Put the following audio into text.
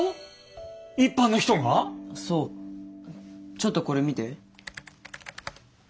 ちょっとこれ見て。